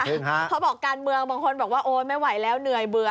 เขาบอกการเมืองบางคนบอกว่าโอ๊ยไม่ไหวแล้วเหนื่อยเบื่อ